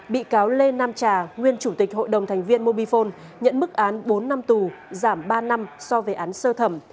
bị cáo lê nam trà nguyên chủ tịch hội đồng thành viên mobifone nhận mức án bốn năm tù giảm ba năm so với án sơ thẩm